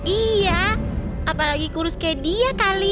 iya apalagi kurus kayak dia kali